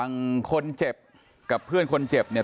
คนเจ็บกับเพื่อนคนเจ็บเนี่ย